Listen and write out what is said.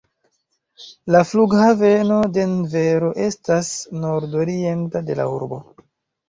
La Flughaveno Denvero estas nordorienta de la urbo.